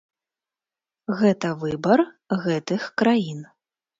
Гэта выбар гэтых краін.